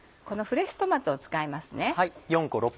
このフレッシュトマトを使いますね。